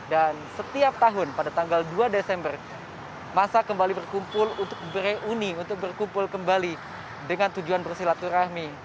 dan setiap tahun pada tanggal dua desember masa kembali berkumpul untuk bereuni untuk berkumpul kembali dengan tujuan bersilaturahmi